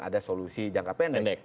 ada solusi jangka pendek